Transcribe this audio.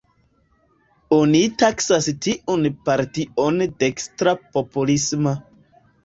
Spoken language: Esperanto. Oni taksas tiun partion dekstra-popolisma.